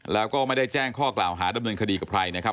แล้วก็ไม่ได้แจ้งข้อกล่าวหาดำเนินคดีกับใครนะครับ